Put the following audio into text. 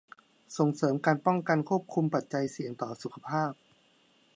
ส่งเสริมการป้องกันควบคุมปัจจัยเสี่ยงต่อสุขภาพ